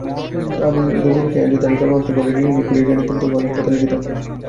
দামিনীকে যদি আমি কেবলমাত্র ঘরের গৃহিণী করিয়াই জানিতাম তবে অনেক কথা লিখিতাম না।